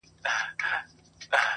د امیدونو ساحل!.